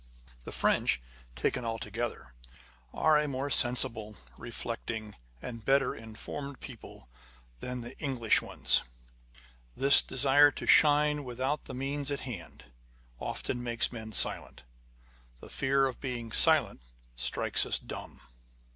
The French (taken all together) are a more sensible, reflecting and better informed people than the English. [1825.] 40 On the Conversation of Authors. ones." This desire to shine without the means at hand, often makes men silent: â€" The fear of being silent strikes us dumb.